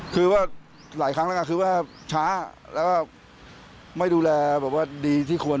คือว่าหลายครั้งแล้วกันคือว่าช้าแล้วก็ไม่ดูแลแบบว่าดีที่ควร